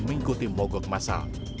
mengikuti mogok masal